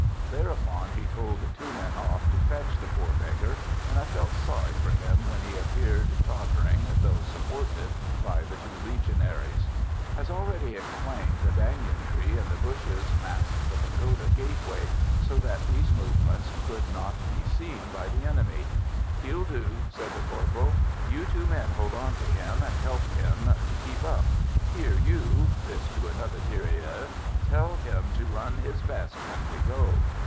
Thereupon he told two men off to fetch the poor beggar, and I felt sorry for him when he appeared tottering, though supported by the two Legionaries. As already explained, the banyan tree and the bushes masked the pagoda gateway, so that these movements could not be seen by the enemy. "He'll do," said the corporal. "You two men hold on to him, and help him to keep up. Here you" this to another tirailleur "tell him to run his best when we go."